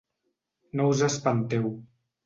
No us espanteu